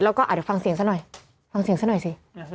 แล้วก็เดี๋ยวฟังเสียงซะหน่อยฟังเสียงซะหน่อยสิ